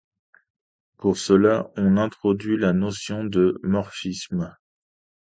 Pour cela, on introduit la notion de morphisme.